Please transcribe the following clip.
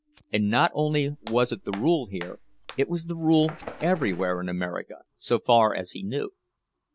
And not only was it the rule here, it was the rule everywhere in America, so far as he knew.